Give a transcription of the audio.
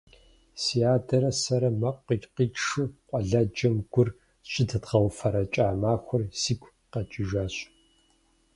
Ди адэрэ сэрэ мэкъу къитшу къуэладжэм гур щыдэдгъэуфэрэкӏа махуэр сигу къэкӏижащ.